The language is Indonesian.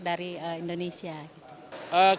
jadi kita bisa membuat bisnis yang lebih luas